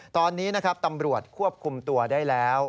ตอนนี้นะครับตำรวจควบคุมตัวได้แล้ว